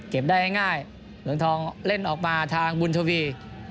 เก็บได้ง่ายเวียงทองเล่นออกมาทางบุรมทวี